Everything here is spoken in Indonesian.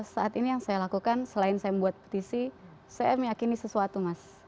saat ini yang saya lakukan selain saya membuat petisi saya meyakini sesuatu mas